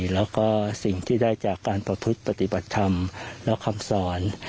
แล้วก็สิ่งที่ได้จากการประพฤติปฏิบัติธรรมและคำสอน